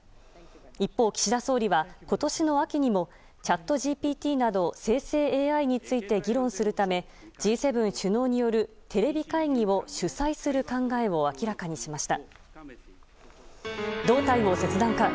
一方、岸田総理は今年の秋にもＣｈａｔＧＰＴなど生成ＡＩについて議論するためＧ７首脳によるテレビ会議を主催する考えを明らかにしました。